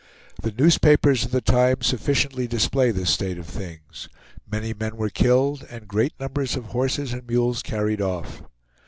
The newspapers of the time sufficiently display this state of things. Many men were killed, and great numbers of horses and mules carried off.